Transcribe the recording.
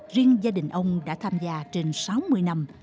riêng gia đình ông đã tham gia trên sáu mươi năm